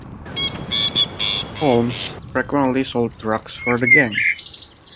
Holmes frequently sold drugs for the gang.